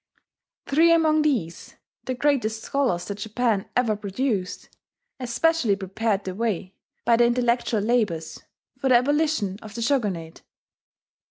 Three among these the greatest scholars that Japan ever produced especially prepared the way, by their intellectual labours, for the abolition of the Shogunate.